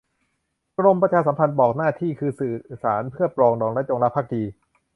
กรมประชาสัมพันธ์ บอกหน้าที่คือสื่อสารเพื่อ ปรองดอง และ จงรักภักดี